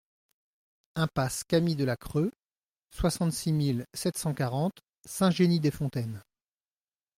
Impasse Cami de la Creu, soixante-six mille sept cent quarante Saint-Génis-des-Fontaines